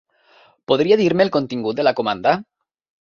Podria dir-me el contingut de la comanda?